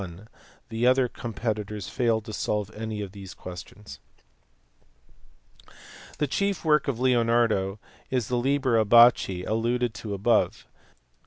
The other competitors failed to solve any of these questions. The chief work of Leonardo is the Liber Abaci alluded to above.